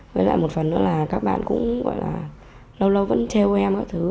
với lại một phần nữa là các bạn cũng gọi là lâu lâu vẫn treo em các thứ